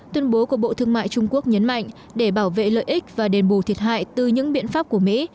tuyên bố của bộ thương mại trung quốc nhấn mạnh để bảo vệ lợi ích và đền bù thiệt hại từ những biện pháp của mỹ